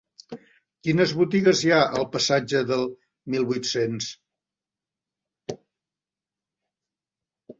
Quines botigues hi ha al passatge del Mil vuit-cents?